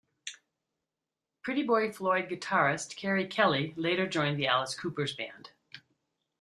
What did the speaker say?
Pretty Boy Floyd guitarist Keri Kelli later joined Alice Cooper's band.